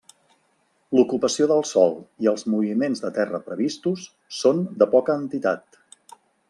L'ocupació del sòl i els moviments de terra previstos són de poca entitat.